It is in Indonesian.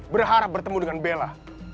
berharap bertemu dengan bella